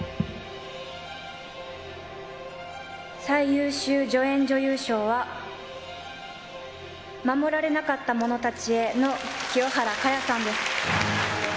最優秀助演女優賞は、護られなかった者たちへの清原果耶さんです。